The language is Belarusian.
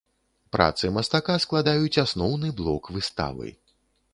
Працы мастака складаюць асноўны блок выставы.